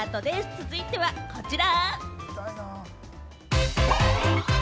続いてはこちら。